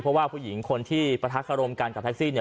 เพราะว่าผู้หญิงคนที่ประทักขรมกันกับแท็กซี่